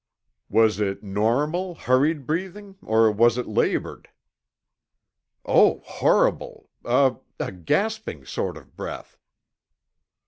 "Was it normal, hurried breathing, or was it labored?" "Oh, horrible! A a gasping sort of breath!"